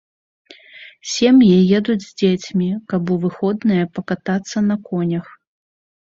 Сем'і едуць з дзецьмі, каб у выходныя пакатацца на конях.